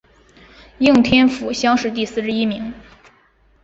应天府乡试第四十一名。